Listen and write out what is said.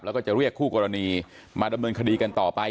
แล้วก็จะเรียกคู่กรณีมาดำเนินคดีกันต่อไป